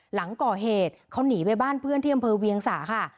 หลังก่อเหตุเขาหนีไปบ้านเพื่อนที่อำเภอเวียงสาค่ะ